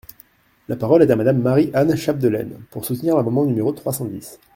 La parole est à Madame Marie-Anne Chapdelaine, pour soutenir l’amendement numéro trois cent dix.